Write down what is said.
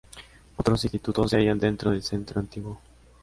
Otros institutos se hallan dentro del centro antiguo.